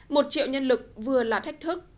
một triệu nhân lực vừa là thách thức